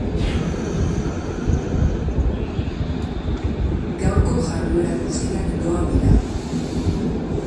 Gaurko jarduera guztiak doan dira.